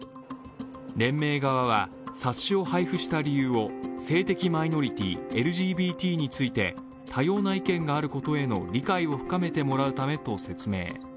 連盟側は、冊子を配布した理由を性的マイノリティー＝ＬＧＢＴについて多様な意見があることへの理解を深めてもらうためと説明。